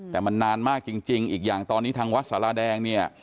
แต่มันนานมากจริงอีกอย่างตอนนี้ทางวัดสาราแดงเนี่ย